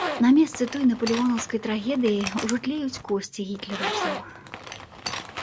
На месцы той напалеонаўскай трагедыі ўжо тлеюць косці гітлераўцаў.